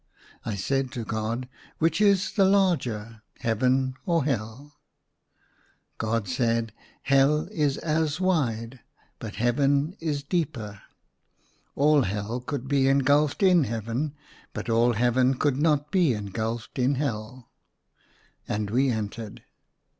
I said to God, " Which is the larger, Heaven or Hell .*" God said, " Hell is as wide, but Heaven is deeper. All Hell could be engulfed in Heaven, but all Heaven could not be engulfed in Hell." And we entered.